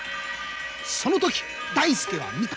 その時大助は見た。